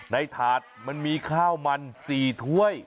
ถาดมันมีข้าวมัน๔ถ้วย